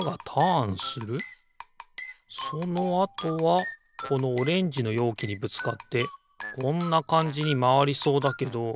そのあとはこのオレンジのようきにぶつかってこんなかんじにまわりそうだけど。